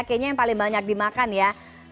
kayaknya yang paling banyak dimakan ya